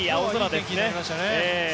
いい天気になりましたね。